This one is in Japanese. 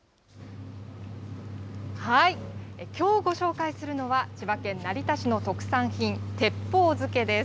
きょう、ご紹介するのは千葉県成田市の特産品、鉄砲漬です。